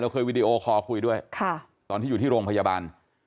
เคยวีดีโอคอร์คุยด้วยตอนที่อยู่ที่โรงพยาบาล